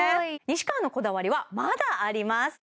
西川のこだわりはまだあります